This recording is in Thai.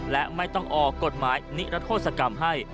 และไม่ต้องออกกฎหมายนิรโทษกรรมให้